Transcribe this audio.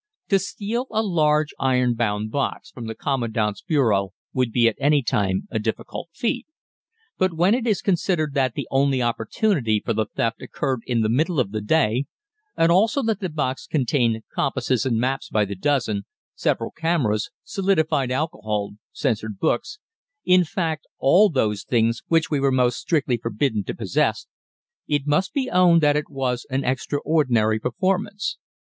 To steal a large iron bound box from the Commandant's bureau would be at any time a difficult feat, but when it is considered that the only opportunity for the theft occurred in the middle of the day, and also that the box contained compasses and maps by the dozen, several cameras, solidified alcohol, censored books, in fact all those things which we were most strictly forbidden to possess, it must be owned that it was an extraordinary performance.